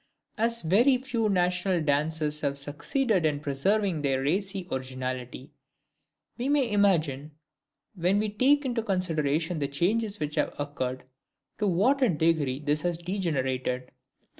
As very few national dances have succeeded in preserving their racy originality, we may imagine, when we take into consideration the changes which have occurred, to what a degree this has degenerated.